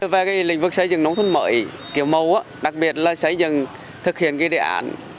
về lĩnh vực xây dựng nông thôn mới kiểu mẫu đặc biệt là xây dựng thực hiện đề án